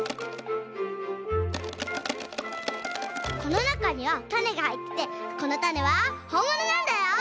このなかにはたねがはいっててこのたねはほんものなんだよ！